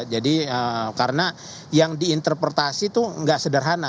jadi karena yang diinterpretasi itu enggak sederhana